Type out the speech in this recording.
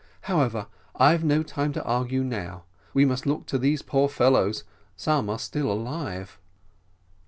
However, I've no time to argue now we must look to these poor fellows; some are still alive."